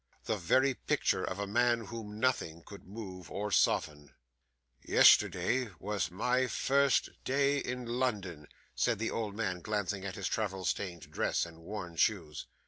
The very picture of a man whom nothing could move or soften. 'Yesterday was my first day in London,' said the old man, glancing at his travel stained dress and worn shoes.